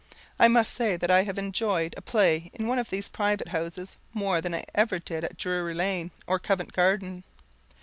I must say that I have enjoyed a play in one of these private houses more than ever I did at Drury Lane or Covent Garden.